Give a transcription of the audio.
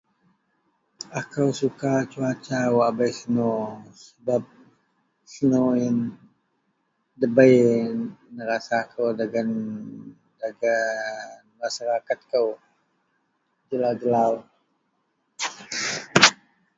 Artis wak teniman kou dagen likou melou [a] biasanya Dayang Nurfaezah sebap Dayang Nurfaezah itou antara artis wak bei kuman likou melou Serawuk wak tedengah gak Semenanjung ajau itou.